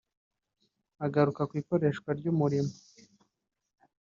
Agaruka ku ikoreshwa ry’umuriro